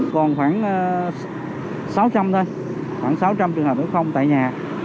còn khoảng sáu trăm linh thôi khoảng sáu trăm linh trường hợp ở không tại nhà